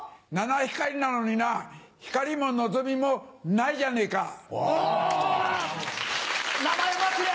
七光なのになひかりものぞみもないじゃねえか。